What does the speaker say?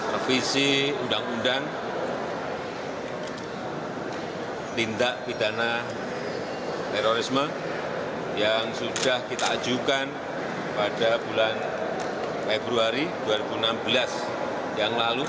revisi undang undang tindak pidana terorisme yang sudah kita ajukan pada bulan februari dua ribu enam belas yang lalu